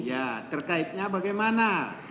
ya terkaitnya bagaimana